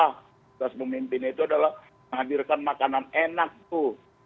kita harus memimpin itu adalah menghadirkan makanan enak itu